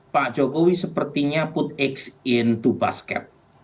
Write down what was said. pak jokowi sepertinya put eggs into basket